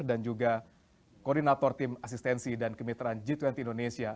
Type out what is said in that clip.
dan juga koordinator tim asistensi dan kemiteran g dua puluh indonesia